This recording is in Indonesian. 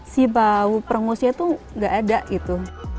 si bau perengusnya tuh nggak ada gitu